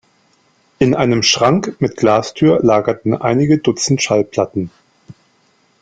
In einem Schrank mit Glastür lagerten einige dutzend Schallplatten.